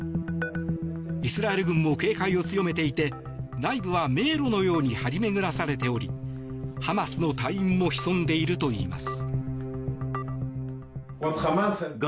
イスラエル軍も警戒を強めていて内部は迷路のように張り巡らされておりハマスの隊員も潜んでいるといいます。